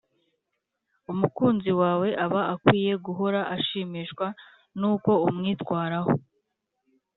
umukunzi wawe aba akwiye guhora ashimishwa n’uko umwitwaraho